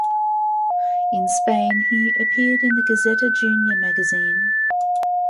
In Spain, he appeared in the “Gaceta Junior” magazine.